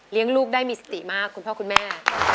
ลูกได้มีสติมากคุณพ่อคุณแม่